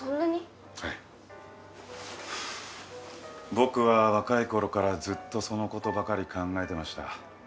僕は若いころからずっとそのことばかり考えてました。